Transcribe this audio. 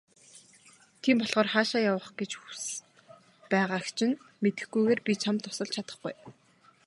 Тийм болохоор хаашаа явах гэж хүс байгааг чинь мэдэхгүйгээр би чамд тусалж чадахгүй.